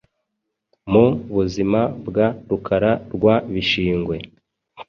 Mu buzima bwa Rukara rwa Bishingwe